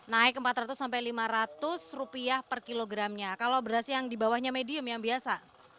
naik rp empat ratus sampai rp lima ratus rupiah per kilogramnya kalau beras yang di bawahnya medium yang biasa